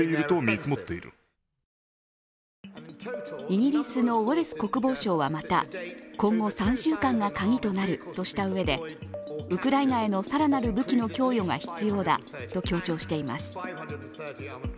イギリスのウォレス国防相はまた今後３週間が鍵となるとしたうえでウクライナへの更なる武器の供与が必要だと強調しています。